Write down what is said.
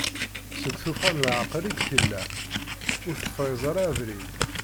Seg tufɣa n laɛqel i deg i tella, ur tefriẓ ara abrid.